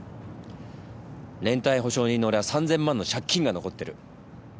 連帯保証人の俺は３，０００万の借金が残ってる。